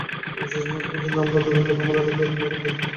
জীবনের শেষ মুহূর্ত পর্যন্ত আমার দুর্গম পথ আমার একলারই পথ।